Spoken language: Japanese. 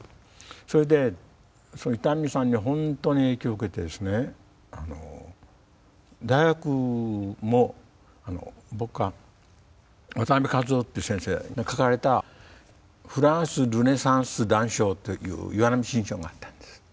それで伊丹さんに本当に影響を受けてですね大学も僕は渡辺一夫っていう先生が書かれた「フランスルネサンス断章」っていう岩波新書があったんです。